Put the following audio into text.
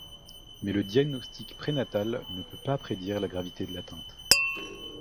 Mais le diagnostic prénatal ne peut pas prédire la gravité de l’atteinte.